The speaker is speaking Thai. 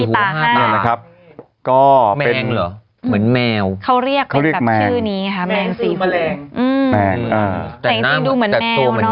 เหมือนเป็นรูปปั้น